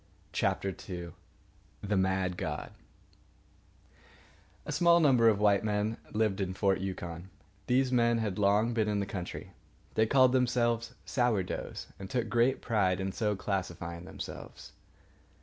CHAPTER II THE MAD GOD A small number of white men lived in Fort Yukon. These men had been long in the country. They called themselves Sour doughs, and took great pride in so classifying themselves.